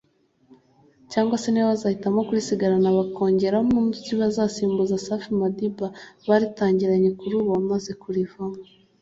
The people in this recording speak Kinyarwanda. cyangwa se niba bazahitamo kurisigarana bakongeramo undi bazasimbuza Safi Madiba baritangiranye kuri ubu wamaze kurivamo